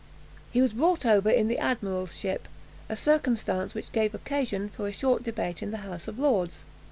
He was brought over in the admiral's ship a circumstance which gave occasion for a short debate in the House of Lords.